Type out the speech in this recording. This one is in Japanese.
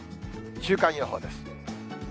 週間予報です。